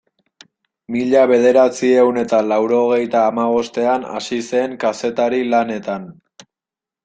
Mila bederatziehun eta laurogeita hamabostean hasi zen kazetari lanetan.